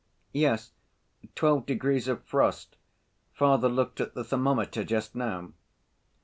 "Yes, twelve degrees of frost. Father looked at the thermometer just now."